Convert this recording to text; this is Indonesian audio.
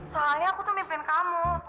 soalnya aku tuh mimpin kamu